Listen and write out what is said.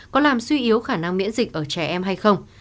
có làm suy yếu khả năng miễn dịch ở trẻ em hay không